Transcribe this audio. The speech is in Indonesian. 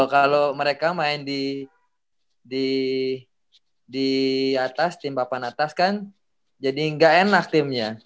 kalo mereka main di atas tim papan atas kan jadi ga enak timnya